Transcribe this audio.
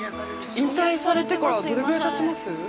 ◆引退されてから、どれぐらいたちます？